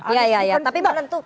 iya iya iya tapi menentukan